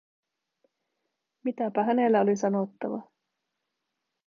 Mitäpä hänellä oli sanottavaa?